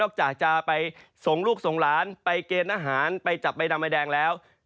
จากจะไปส่งลูกส่งหลานไปเกณฑ์อาหารไปจับใบดำใบแดงแล้ว